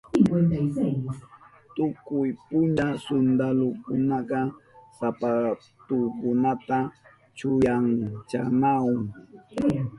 Tukuy puncha suntalukunaka sapatukunata chuyanchanahun.